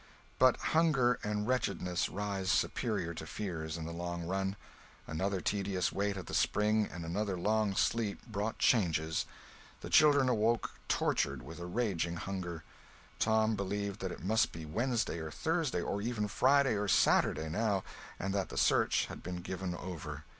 But hunger and wretchedness rise superior to fears in the long run. Another tedious wait at the spring and another long sleep brought changes. The children awoke tortured with a raging hunger. Tom believed that it must be Wednesday or Thursday or even Friday or Saturday, now, and that the search had been given over.